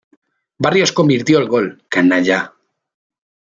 Barrios convirtió el gol "canalla".